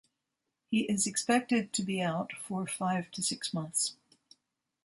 He is expected to be out for five to six months.